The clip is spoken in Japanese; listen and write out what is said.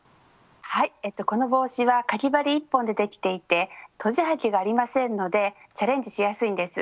はいこの帽子はかぎ針１本でできていてとじはぎがありませんのでチャレンジしやすいんです。